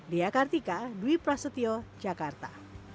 diakartika dwi prasetyo jakarta